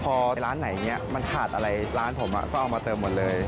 พอร้านไหนเนี่ยมันขาดอะไรร้านผมก็เอามาเติมหมดเลย